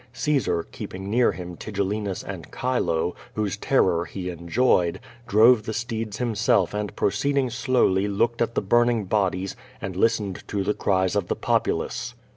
Caesar, keeping near him Tigellinus and Chilo, whose terror he enjoyed, drove the steeds himself and pro ceeding slowly looked at the burning bodies and listened to the cries of the populace.